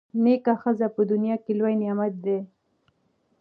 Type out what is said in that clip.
نېکه ښځه په دنیا کي لوی نعمت دی.